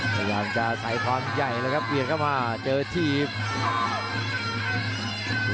ประวังจะใสคล้อนใหญ่ฟังคลับเองครับเบียดเข้ามาเจอทีพ